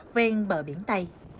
ven bờ biển tây